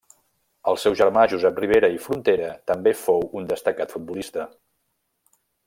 El seu germà Josep Ribera i Frontera també fou un destacat futbolista.